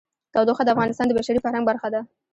تودوخه د افغانستان د بشري فرهنګ برخه ده.